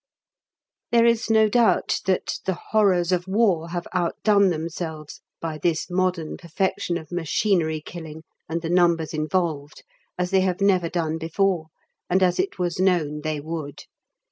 There is no doubt that "the horrors of War" have outdone themselves by this modern perfection of machinery killing, and the numbers involved, as they have never done before, and as it was known they would.